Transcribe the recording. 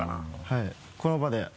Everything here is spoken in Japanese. はいこの場で？